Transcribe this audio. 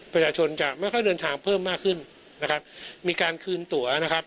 ประชาชนจะไม่ค่อยเดินทางเพิ่มมากขึ้นนะครับมีการคืนตัวนะครับ